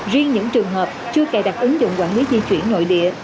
riêng những trường hợp chưa cài đặt ứng dụng quản lý di chuyển nội địa